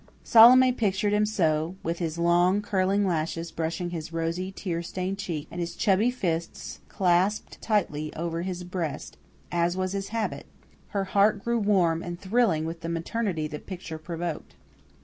Salome pictured him so, with his long, curling lashes brushing his rosy, tear stained cheek and his chubby fists clasped tightly over his breast as was his habit; her heart grew warm and thrilling with the maternity the picture provoked.